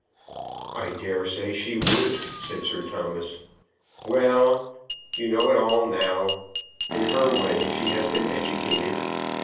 "I dare say she would," said Sir Thomas. "Well; now you know it all. In her way, she has been educated.